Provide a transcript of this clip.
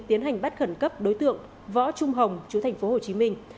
tiến hành bắt khẩn cấp đối tượng võ trung hồng chú thành phố hồ chí minh